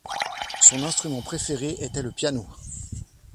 Son instrument préféré était le piano.